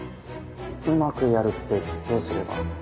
うまくやるってどうすれば？